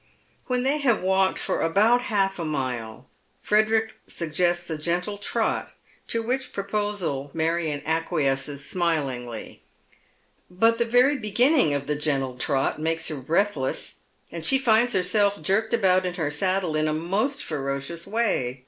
When they have walked for about half a mile Frederick Buggesits a gentle trot, to which proposal Marion acquiesces smilingly. But the very beginning of the gentle trot makes her breathless, and she finds herself jerked about in her saddle in a most ferocious way.